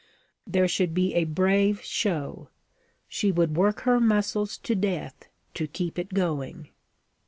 There should be a brave show: she would work her muscles to death to keep it going.